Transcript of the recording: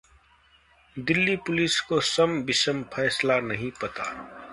Delhi police को 'सम-विषम' फैसला नहीं पता